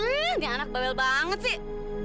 ih nih anak babel banget sih